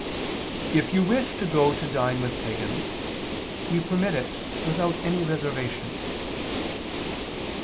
"If you wish to go to dine with pagans, we permit it without any reservation."